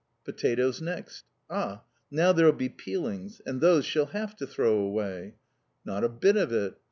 Potatoes next. Ah! Now there'll be peelings, and those she'll have to throw away. Not a bit of it!